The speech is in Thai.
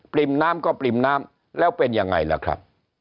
ริ่มน้ำก็ปริ่มน้ำแล้วเป็นยังไงล่ะครับ